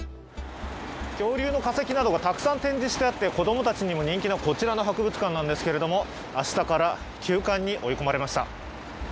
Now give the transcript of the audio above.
恐竜の化石などがたくさん展示してあって子供たちにも人気のこちらの博物館なんですけれども、明日から休館に追い込まれました。